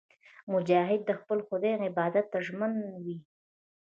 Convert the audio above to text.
مجاهد د خپل خدای عبادت ته ژمن وي.